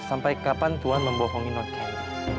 sampai kapan tuan membohongi nonkendi